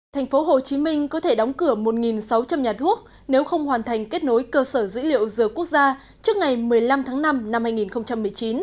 thành phố hồ chí minh có thể đóng cửa một sáu trăm linh nhà thuốc nếu không hoàn thành kết nối cơ sở dữ liệu dược quốc gia trước ngày một mươi năm tháng năm năm hai nghìn một mươi chín